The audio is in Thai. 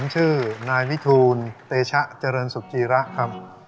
ชื่อนายวิทูลเตชะเจริญสุกีระครับ